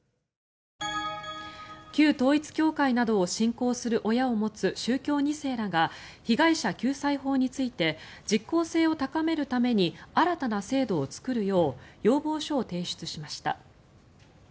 旧統一教会などを信仰する親を持つ宗教２世らが被害者救済法について実効性を高めるために新たな制度を作るよう要望書を提出しました。